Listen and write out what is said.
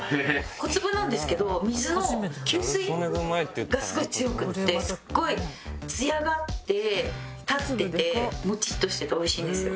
小粒なんですけど水の吸水がすごい強くてすごいツヤがあって立っててモチッとしてて美味しいんですよ。